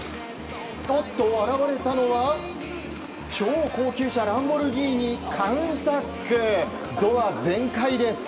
現れたのは超高級車ランボルギーニカウンタック。ドア全開です。